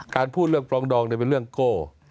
พูดเรื่องปลองดองเป็นเรื่องโก้